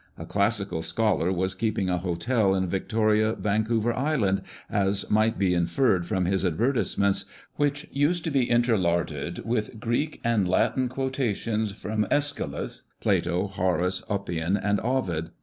A classical scholar was keeping a hotel in Victoria, Vancouver Island, as might be inferred from his advertise ments, which used to be interlarded with Greek and Latin quotations from ^Eschylus, Plato, Horace, Oppian, and Ovid.